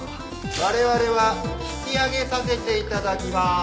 我々は引き揚げさせて頂きまーす。